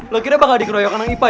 lo kira bakal dikeroyokan sama ipa ya